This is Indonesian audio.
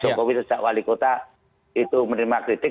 jokowi sejak wali kota itu menerima kritik